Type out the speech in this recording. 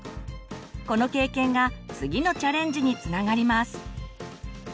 この経験が次のチャレンジにつながります。